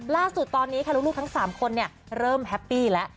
ล่าสุดตอนนี้ค่ะลูกทั้ง๓คนเริ่มแฮปปี้แล้ว